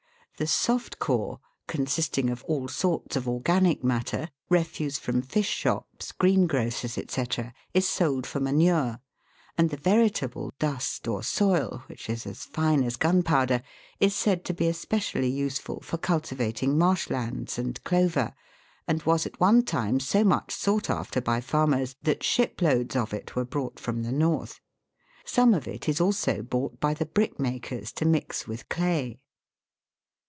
The "soft core," consisting of all sorts of organic matter, refuse from fish shops, green grocers, c., is sold for manure, and the veritable "dust" or soil, which is as fine as gunpowder, is said to be especially useful for cultivating marsh lands and clover, and was at one time so much sought after by farmers that ship loads of it were brought from the North. Some of it is also bought by the brickmakers to mix with clay.